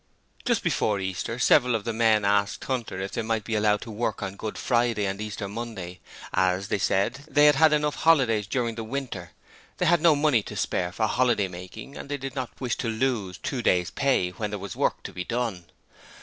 Just before Easter several of the men asked Hunter if they might be allowed to work on Good Friday and Easter Monday, as, they said, they had had enough holidays during the winter; they had no money to spare for holiday making, and they did not wish to lose two days' pay when there was work to be done.